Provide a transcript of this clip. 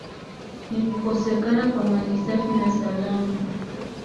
ni kukosekana kwa maji safi na salama